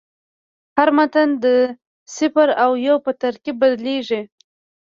هر متن د صفر او یو په ترکیب بدلېږي.